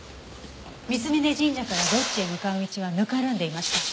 三峯神社からロッジへ向かう道はぬかるんでいました。